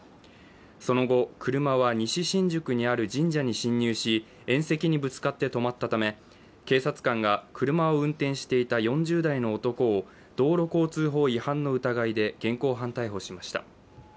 その後、車は西新宿にある神社に侵入し縁石にぶつかって止まったため、警察官が車を運転していた４０代の男を道路交通法違反の疑いで現行犯逮捕しました。